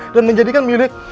dan menjadikan milik